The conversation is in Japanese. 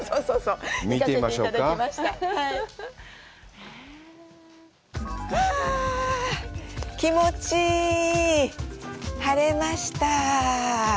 うわぁ、気持ちいい！晴れました。